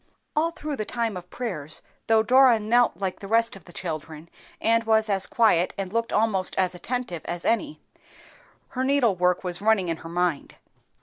All through the time of prayers, though Dora knelt like the rest of the children, and was as quiet and looked almost as attentive as any, her needlework was running in her mind.